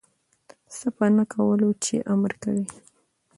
څه په نه کولو چی امر کوی